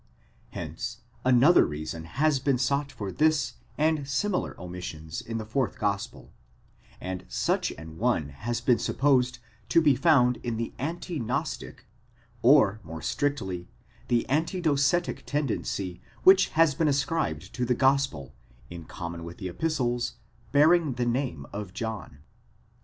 Hence another reason has been sought for this and similar omissions in the fourth gospel ; and such an one has been supposed to be found in the anti gnostic, or, more strictly, the anti docetic tendency which has been ascribed to the gospel, in common with the epistles, bearing the name of John.